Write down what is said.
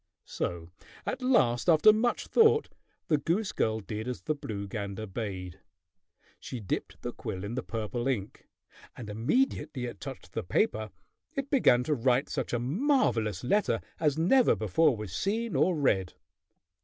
So at last, after much thought, the goose girl did as the blue gander bade. She dipped the quill in the purple ink, and immediately it touched the paper it began to write such a marvelous letter as never before was seen or read!